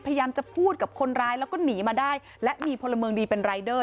พยายามจะพูดกับคนร้ายแล้วก็หนีมาได้และมีพลเมืองดีเป็นรายเดอร์